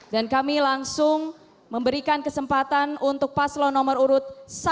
dan kami langsung memberikan kesempatan untuk paslon nomor urut satu